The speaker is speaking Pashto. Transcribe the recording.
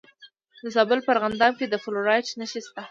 د زابل په ارغنداب کې د فلورایټ نښې شته.